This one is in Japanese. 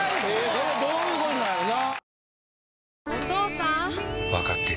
これはどういうことなんやろな。